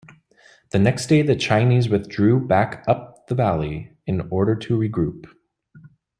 The next day the Chinese withdrew back up the valley, in order to regroup.